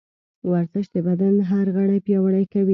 ورزش د بدن هر غړی پیاوړی کوي.